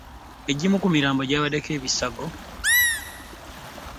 Egimu ku mirambo gyabaddeko ebisago.